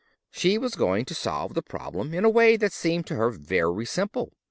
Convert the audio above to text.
She was going to solve the problem in a way that seemed to her very simple.